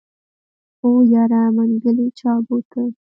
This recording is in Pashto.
هو يره منګلی چا بوته.